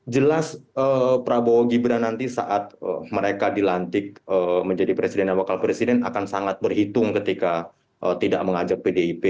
jelas prabowo gibran nanti saat mereka dilantik menjadi presiden dan wakil presiden akan sangat berhitung ketika tidak mengajak pdip